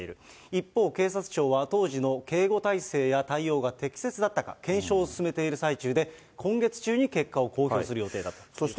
一方、警察庁は、当時の警護態勢や対応が適正だったか、検証を進めている最中で、今月中に結果を公表する予定だということです。